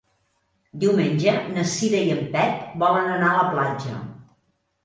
Diumenge na Cira i en Pep volen anar a la platja.